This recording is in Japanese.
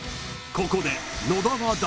［ここで］